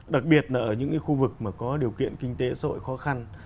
đặc biệt là ở những khu vực mà có điều kiện kinh tế sội khó khăn